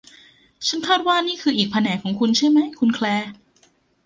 ฉันคาดว่านี่คืออีกแผนกของคุณใช่ไหมคุณแคลร์